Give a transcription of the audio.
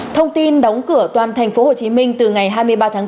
thông tin đóng cửa toàn tp hcm từ ngày hai mươi ba tháng bốn